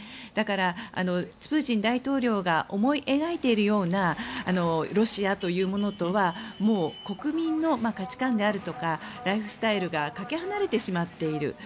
だから、プーチン大統領が思い描いているようなロシアというものとは国民の価値観であるとかライフスタイルがかけ離れてしまっている。